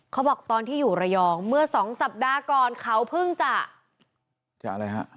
เขาบอกตอนที่อยู่ระยองเมื่อสองสัปดาห์ก่อนเขาเพิ่งจะจะอะไรฮะ